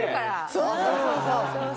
そうそうそうそう。